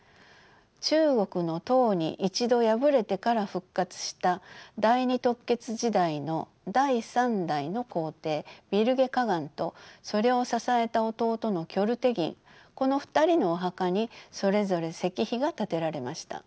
中国の唐に一度敗れてから復活した第二突厥時代の第３代の皇帝ビルゲ可汗とそれを支えた弟のキョル・テギンこの２人のお墓にそれぞれ石碑が建てられました。